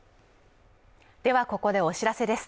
ではここでお知らせです。